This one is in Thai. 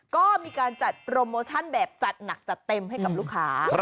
ก็มีการจัดโปรโมชั่นแบบจัดหนักจัดเต็มให้กับลูกค้า